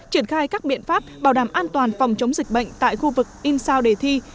triển khai các biện pháp bảo đảm an toàn phòng chống dịch bệnh tại khu vực in sao đề thi